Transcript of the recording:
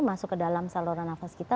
masuk ke dalam saluran nafas kita